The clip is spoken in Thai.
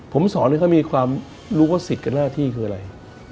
ผมสอนให้เขามีความรู้ว่าสิทธิ์กับหน้าที่คืออะไร